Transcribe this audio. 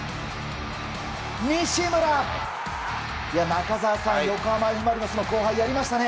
中澤さん、横浜Ｆ・マリノスの後輩がやりましたね。